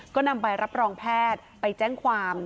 ก็นำใบรับรองแพทย์ไปแจ้งความ